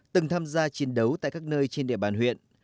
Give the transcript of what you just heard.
từng tham gia chiến đấu tại các nơi trên địa bàn huyện